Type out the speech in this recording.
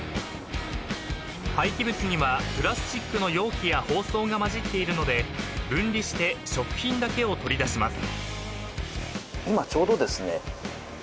［廃棄物にはプラスチックの容器や包装が交じっているので分離して食品だけを取り出します］